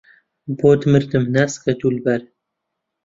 بۆت مردم ناسکە دولبەر